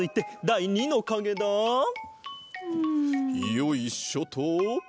よいしょっと。